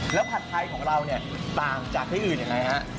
แล้วผัดไทยของเราเนี่ยต่างจากที่อื่นยังไงฮะ